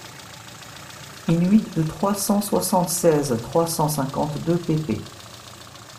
in-huit de trois cent soixante-seize et trois cent cinquante-deux pp.